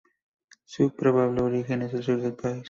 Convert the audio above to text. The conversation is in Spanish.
Su probable origen es el sur del país.